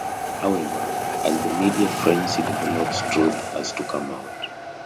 However, as the media frenzy develops the truth has to come out.